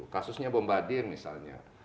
kasusnya bombardier misalnya